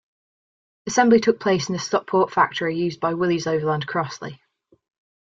Assembly took place in the Stockport factory used by Willys Overland Crossley.